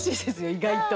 意外と。